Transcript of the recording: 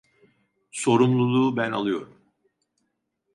Sorumluluğu ben alıyorum.